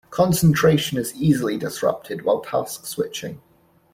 Concentration is easily disrupted while task switching.